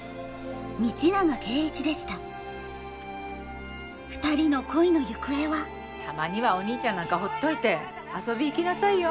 道永圭一でしたたまにはお兄ちゃんなんかほっといて遊び行きなさいよ。